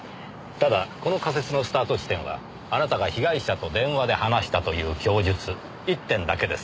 ただこの仮説のスタート地点はあなたが被害者と電話で話したという供述一点だけです。